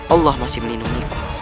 allah masih menindungiku